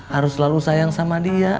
harus selalu sayang sama dia